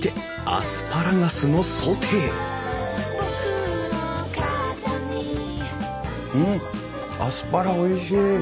アスパラおいしい！